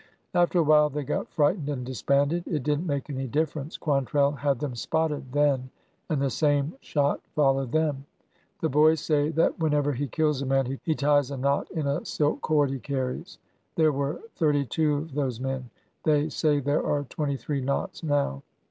After a while they got frightened and disbanded. It did n't make any difference. Quantrell had them spotted then, and the same shot followed them. The boys say that whenever he kills a man he ties a knot in a silk cord he carries. There were thirty two of those men. They say there are twenty three knots now.